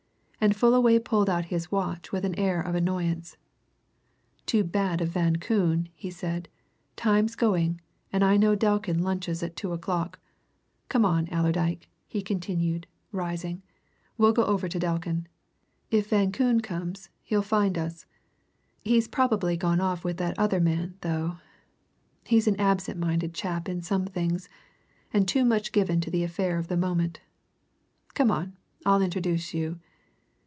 And Fullaway pulled out his watch with an air of annoyance. "Too bad of Van Koon," he said. "Time's going, and I know Delkin lunches at two o'clock. Come on, Allerdyke," he continued, rising, "we'll go over to Delkin. If Van Koon comes, he'll find us. He's probably gone off with that other man, though he's an absent minded chap in some things, and too much given to the affair of the moment. Come on I'll introduce you."